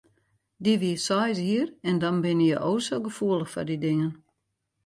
Dy wie seis jier en dan binne je o sa gefoelich foar dy dingen.